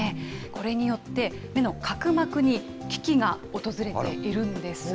これによって目の角膜に危機が訪れているんです。